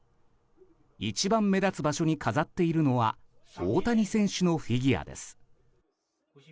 一番目立つ場所に飾っているのは大谷選手のフィギュアです。